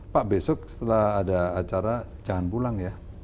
pak besok setelah ada acara jangan pulang ya